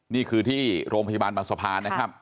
นี่คือที่โรงพยาบาลบางสะพานนะครับ